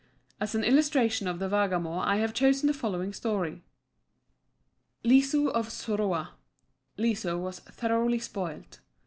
As an illustration of the Vargamor I have chosen the following story: LISO OF SOROA Liso was thoroughly spoilt.